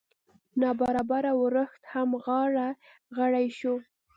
نا ببره ورښت هم غاړه غړۍ شو.